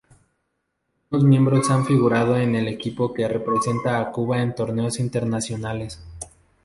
Algunos miembros han figurado en el equipo que representa a Cuba en torneos internacionales.